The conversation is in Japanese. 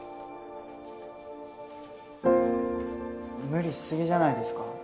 無理しすぎじゃないですか？